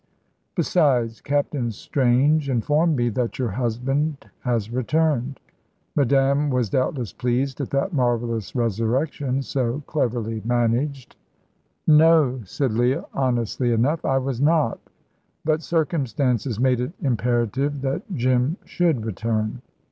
"Besides, Captain Strange informed me that your husband has returned. Madame was doubtless pleased at that marvellous resurrection, so cleverly managed." "No," said Leah, honestly enough. "I was not; but circumstances made it imperative that Jim should return."